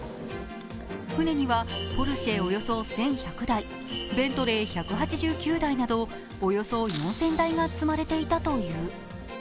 船にはポルシェおよそ１１００台ベントレー１８９台などおよそ４０００台が積まれていたという。